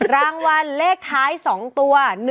รางวัลเลขท้าย๒ตัว